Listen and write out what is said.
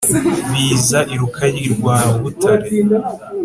biza i rukaryi rwa butare